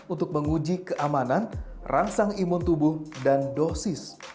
untuk menguji keamanan rangsang imun tubuh dan dosis